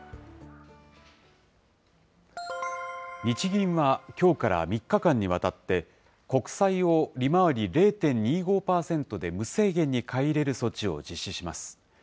日銀はきょうから３日間にわたって、国債を利回り０．２５％で無制限に買い入れる措置を実施します。